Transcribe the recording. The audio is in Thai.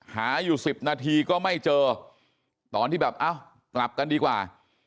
หาอยู่๑๐นาทีก็ไม่เจอตอนที่แบบเอ้ากลับกันดีกว่า